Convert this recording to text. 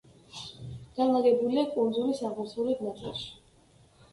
განლაგებულია კუნძულის აღმოსავლეთ ნაწილში.